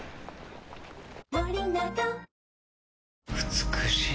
美しい。